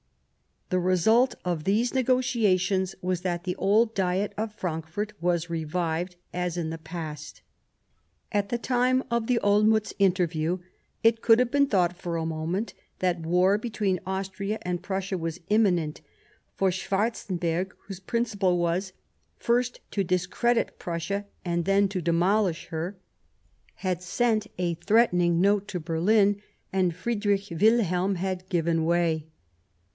The result of these negotiations was that the old Diet of Frankfort was revived, as in the past. At the time of the Olmiitz interview it could have been thought for a moment that war between Austria and Prussia was imminent ; for Schwarzen berg, whose principle was, " first to discredit Prussia and then to demolish her," had sent a 32 Years of Preparation threatening note to Berlin, and Friedrich Wilhelm had given way.